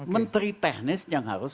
menteri teknis yang harus